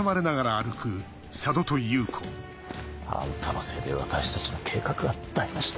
あんたのせいで私たちの計画が台無しだ。